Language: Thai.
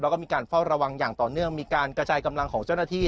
แล้วก็มีการเฝ้าระวังอย่างต่อเนื่องมีการกระจายกำลังของเจ้าหน้าที่